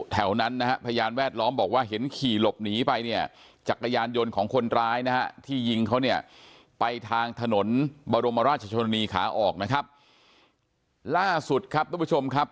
ทางถนนบรมราชชนนีขาออกนะครับล่าสุดครับ